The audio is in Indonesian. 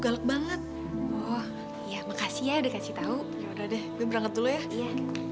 galak banget oh ya makasih ya udah kasih tau yaudah deh gue berangkat dulu ya iya